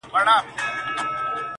او بيا هغه خپل هويت وټاکي